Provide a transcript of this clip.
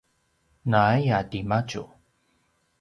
naaya timadju